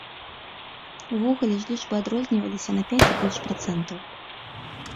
Увогуле ж лічбы адрозніваліся на пяць і больш працэнтаў.